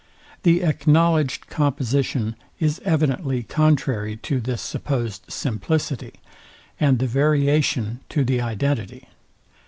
The acknowledged composition is evidently contrary to this supposed simplicity, and the variation to the identity.